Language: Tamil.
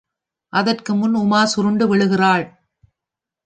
அதற்கு முன் உமா சுருண்டு விழுகிறாள்.